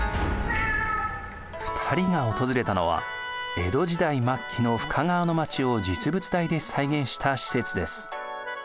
２人が訪れたのは江戸時代末期の深川の町を実物大で再現した施設です。